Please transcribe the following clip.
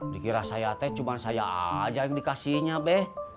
dikira saya teh cuma saya aja yang dikasihnya be